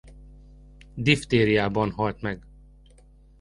Diftériában halt meg.